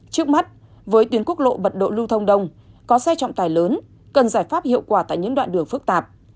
trước mắt với tuyến quốc lộ mật độ lưu thông đông có xe trọng tài lớn cần giải pháp hiệu quả tại những đoạn đường phức tạp